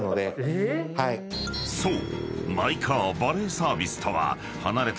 ［そう］